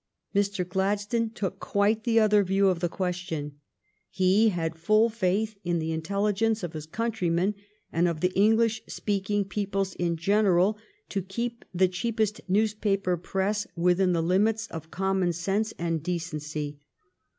Mr. Gladstone took quite the other view of the question. He had full faith in the intelligence of his countrymen and of the English speaking peo ples in general to keep the cheapest newspaper press within the limits of common sense and de cency.